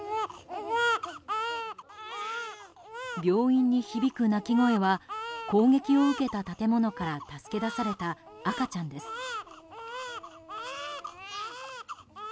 病院に響く泣き声は攻撃を受けた建物から助け出された赤ちゃんです。